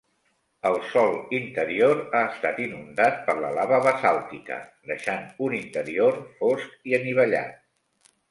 El sòl interior ha estat inundat per la lava basàltica, deixant un interior fosc i anivellat.